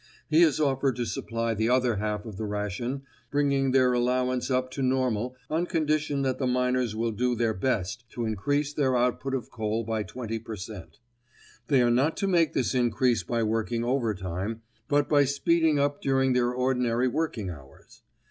He has offered to supply the other half of the ration, bringing their allowance up to normal, on condition that the miners will do their best to increase their output of coal by 20 per cent. They are not to make this increase by working overtime, but by speeding up during their ordinary working hours.